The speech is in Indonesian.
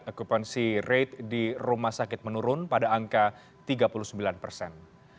okupansi rate di rumah sakit menurun pada angka tiga puluh sembilan persen